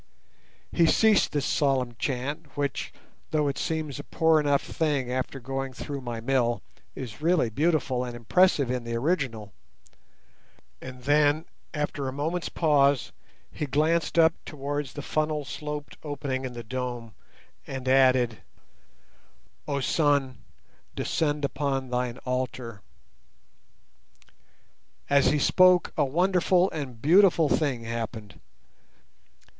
He ceased this solemn chant, which, though it seems a poor enough thing after going through my mill, is really beautiful and impressive in the original; and then, after a moment's pause, he glanced up towards the funnel sloped opening in the dome and added— Oh Sun, descend upon thine Altar! As he spoke a wonderful and a beautiful thing happened.